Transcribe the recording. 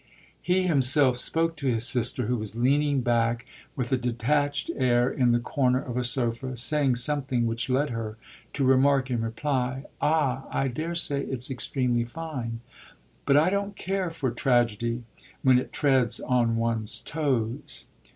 He himself spoke to his sister, who was leaning back with a detached air in the corner of a sofa, saying something which led her to remark in reply: "Ah I daresay it's extremely fine, but I don't care for tragedy when it treads on one's toes.